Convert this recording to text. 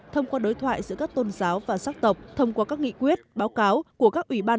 thông qua đối thoại giữa các tôn giáo và sắc tộc thông qua các nghị quyết báo cáo của các ủy ban